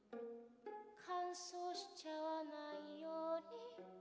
「乾燥しちゃわないように」